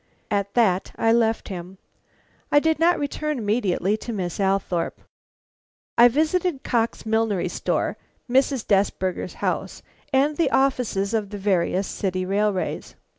At that I left him. I did not return immediately to Miss Althorpe. I visited Cox's millinery store, Mrs. Desberger's house, and the offices of the various city railways.